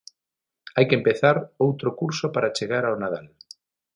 Hai que empezar outro curso para chegar ao Nadal.